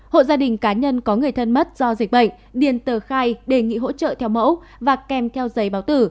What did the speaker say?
hộ gia đình cá nhân có người thân mất do dịch bệnh điền tờ khai đề nghị hỗ trợ theo mẫu và kèm theo giấy báo tử